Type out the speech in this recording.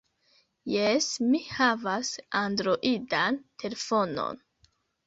Jes, mi havas Androidan telefonon.